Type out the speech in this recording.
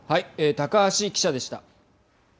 高橋記者でした。